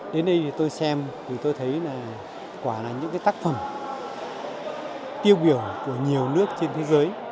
đến đây thì tôi xem thì tôi thấy là quả là những tác phẩm tiêu biểu của nhiều nước trên thế giới